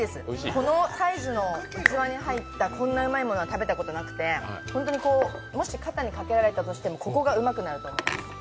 このサイズに器に入ったこんなうまいものは食べたことなくて、本当に、もし肩にかけられたとしてもここがうまくなると思う。